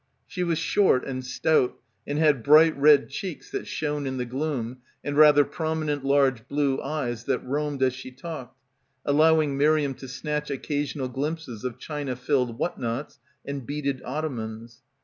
She was short and stout and had bright red cheeks that shone in the gloom and rather prominent large blue eyes that roamed as she talked, allowing Miriam to snatch occasional glimpses of china filled what nots and beaded ottomans.